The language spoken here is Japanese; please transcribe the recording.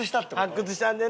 発掘したんで。